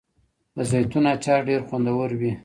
د زیتون اچار ډیر خوندور وي.